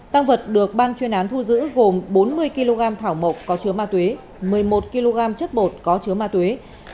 tăng vật được ban chuyên án thu giữ gồm bốn mươi kg thảo mộc có chứa ma túy một mươi một kg chất bột có chứa ma túy